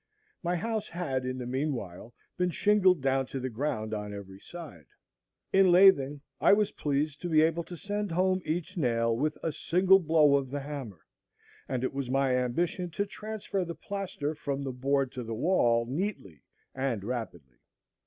My house had in the mean while been shingled down to the ground on every side. In lathing I was pleased to be able to send home each nail with a single blow of the hammer, and it was my ambition to transfer the plaster from the board to the wall neatly and rapidly.